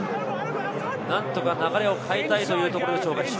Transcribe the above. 何とか流れを変えたいというところでしょうか。